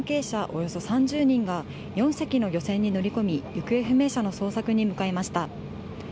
およそ３０人が４隻の漁船に乗り込み行方不明者の捜索に向かいました。